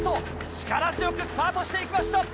力強くスタートしていきました。